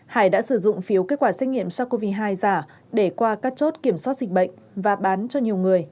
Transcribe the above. hải đã sử dụng phiếu kết quả xét nghiệm sars cov hai giả để qua các chốt kiểm soát dịch bệnh và bán cho nhiều người